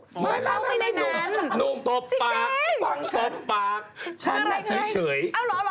ชวนฉันเข้าไปว่าอยากไปรู้เหตุการณ์แล้วเขาจะย้ายออกมาแล้ว